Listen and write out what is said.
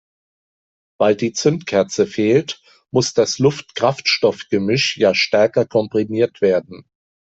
Weil die Zündkerze fehlt, muss das Luft-Kraftstoff-Gemisch ja stärker komprimiert werden.